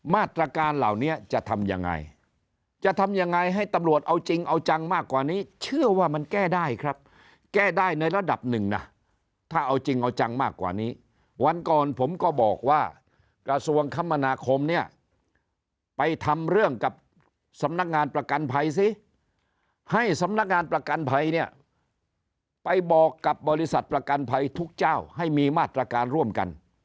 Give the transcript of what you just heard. มาตรการเหล่านี้จะทำยังไงจะทำยังไงให้ตำรวจเอาจริงเอาจังมากกว่านี้เชื่อว่ามันแก้ได้ครับแก้ได้ในระดับหนึ่งนะถ้าเอาจริงเอาจังมากกว่านี้วันก่อนผมก็บอกว่ากระทรวงคมนาคมเนี่ยไปทำเรื่องกับสำนักงานประกันภัยซิให้สำนักงานประกันภัยเนี่ยไปบอกกับบริษัทประกันภัยทุกเจ้าให้มีมาตรการร่วมกัน